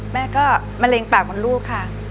แม่ก็มะเร็งปากมดลูกค่ะ